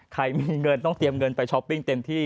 ใครมีเงินต้องเตรียมเงินไปช้อปปิ้งเต็มที่